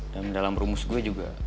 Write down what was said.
dan dalam rumus gue juga